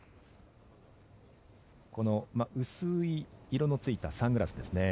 この薄い色のついたサングラスですね。